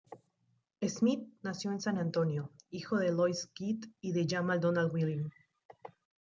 Smith nació en San Antonio, hijo de Eloise Keith y de Jamal Donald Willing.